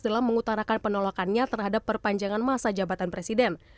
dalam mengutarakan penolakannya terhadap perpanjangan masa jabatan presiden